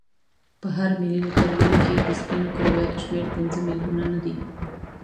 په هر ملي لیتر وینه کې د سپینو کرویاتو شمیر پنځه میلیونه نه دی.